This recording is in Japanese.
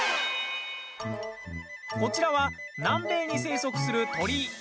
こちらは、南米に生息する鳥。